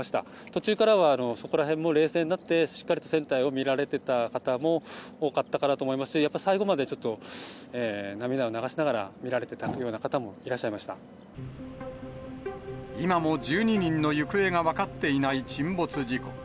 途中からは、そこらへんも冷静になって、しっかりと船体を見られていた方も多かったかなと思いますし、やっぱり最後までちょっと涙を流しながら見られてたような方もい今も１２人の行方が分かっていない沈没事故。